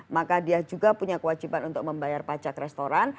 maka dia juga punya kewajiban untuk membayar pajak restoran